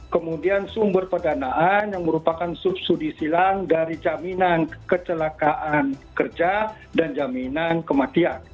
kemudian sumber pendanaan yang merupakan subsidi silang dari jaminan kecelakaan kerja dan jaminan kematian